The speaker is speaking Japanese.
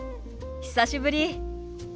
久しぶり。